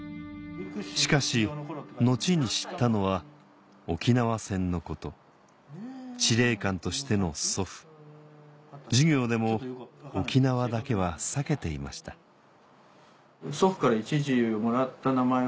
しかし後に知ったのは沖縄戦のこと司令官としての祖父授業でも「沖縄」だけは避けていましたその。